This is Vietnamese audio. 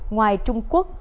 ngoài trung quốc